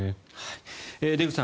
出口さん